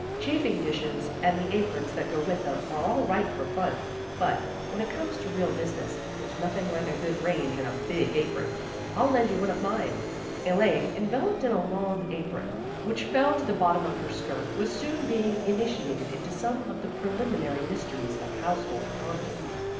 " Chafing dishes and the aprons that go with them are all right for fun, but, when it comes to real business, there's nothing like a good range and a big apron. I'll lend you one of mine." Elaine, enveloped in a long apron which fell 60 THE GIRLS OF FRIENDLY TERRACE to the bottom of her skirt, was soon being ini tiated into some of the preliminary mysteries of household economy.